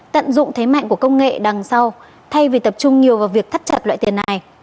tận dụng thế mạnh của công nghệ đằng sau thay vì tập trung nhiều vào việc thắt chặt loại tiền này